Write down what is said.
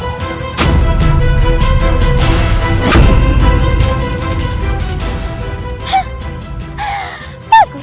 dan surau seta akan kubunuh